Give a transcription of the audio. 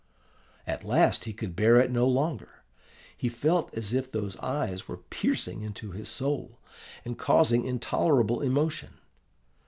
At last he could bear it no longer: he felt as if these eyes were piercing into his soul, and causing intolerable emotion.